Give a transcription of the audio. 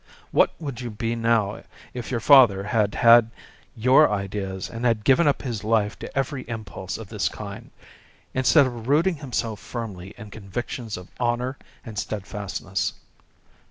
What would you be now if your father had had your ideas and had given up his life to every impulse of this kind, instead of rooting himself firmly in convictions of honour and steadfastness?